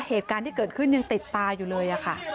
เหตุการณ์ที่เกิดขึ้นยังติดตาอยู่เลยค่ะ